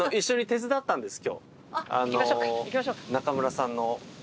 今日中村さんの。